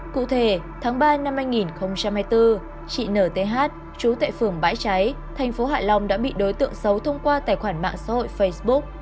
cụ thể tháng ba năm hai nghìn hai mươi bốn chị nth trú tại phường bãi cháy thành phố hạ long đã bị đối tượng xấu thông qua tài khoản mạng xã hội facebook